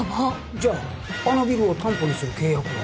じゃあのビルを担保にする契約は？